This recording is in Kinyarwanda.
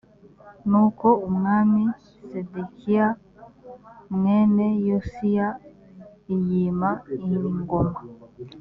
nuko umwami sedekiya mwene yosiya iyima ingoma